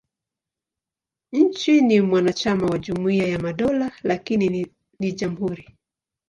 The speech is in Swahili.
Nchi ni mwanachama wa Jumuiya ya Madola, lakini ni jamhuri.